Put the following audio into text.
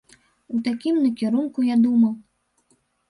У такім накірунку я думаў.